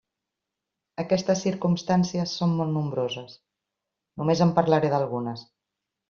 Aquestes circumstàncies són molt nombroses; només en parlaré d'algunes.